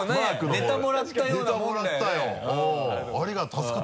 ネタもらったようん。